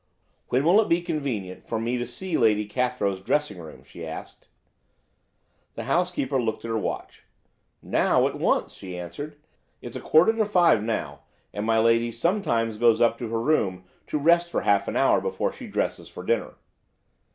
"When will it be convenient for me to see Lady Cathrow's dressing room?" she asked. The housekeeper looked at her watch. "Now, at once," she answered: "it's a quarter to five now and my lady sometimes goes up to her room to rest for half an hour before she dresses for dinner."